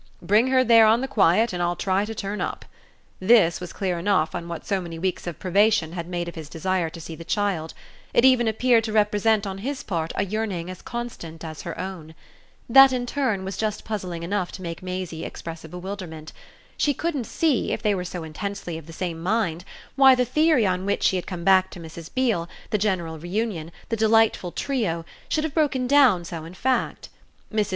"Bring her there on the quiet and I'll try to turn up" this was clear enough on what so many weeks of privation had made of his desire to see the child: it even appeared to represent on his part a yearning as constant as her own. That in turn was just puzzling enough to make Maisie express a bewilderment. She couldn't see, if they were so intensely of the same mind, why the theory on which she had come back to Mrs. Beale, the general reunion, the delightful trio, should have broken down so in fact. Mrs.